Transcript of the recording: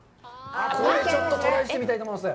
これちょっとトライしてみたいと思います。